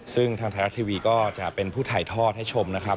ซึ่งทางไทยรัฐทีวีก็จะเป็นผู้ถ่ายทอดให้ชมนะครับ